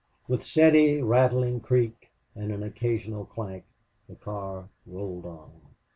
With steady, rattling creak, and an occasional clank, the car rolled on.